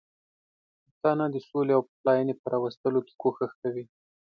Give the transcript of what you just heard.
پښتانه د سولې او پخلاینې په راوستلو کې کوښښ کوي.